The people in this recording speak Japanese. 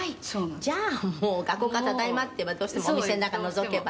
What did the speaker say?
「じゃあもう学校から“ただいま”って言えばどうしてもお店の中のぞけば。